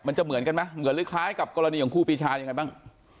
มันจะเหมือนกันไหมเหมือนหรือคล้ายกับกรณีของครูปีชายังไงบ้าง